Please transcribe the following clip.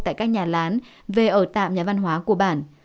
tại các nhà lán về ở tạm nhà văn hóa của bản